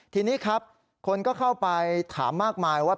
ทีนี้ครับคนก็เข้าไปถามมากมายว่า